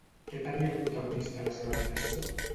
Què tenia el protagonista a la seva habitació?